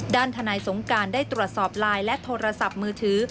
ทนายสงการได้ตรวจสอบไลน์และโทรศัพท์มือถือ